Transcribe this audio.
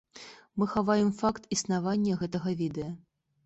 Мы хаваем факт існавання гэтага відэа!